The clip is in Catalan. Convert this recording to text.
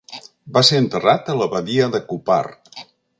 Va ser enterrat a l'Abadia de Cupar.